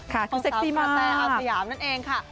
ค่ะคือเซ็กซีมากต้องสามารถแทนเอาสยามนั่นเองค่ะ